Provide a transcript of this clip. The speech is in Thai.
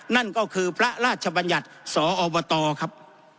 นั่นก็คือพระราชบัญญัติสอบตครับ